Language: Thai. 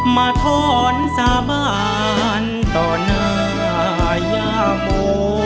มาถอนสาบานต่อหน้ายาโม